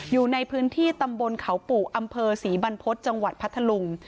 อยู่ในพื้นที่ตำบลเขาปู่อำเภอศรีบรรพฤษจังหวัดพัทธลุง